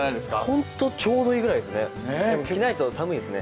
ホント、ちょうどいいぐらいです。